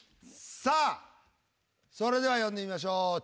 さあそれでは呼んでみましょう。